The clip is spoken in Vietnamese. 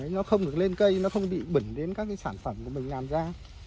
nó không được lên cây nó không bị bẩn đến các cái sản phẩm của mình làm ra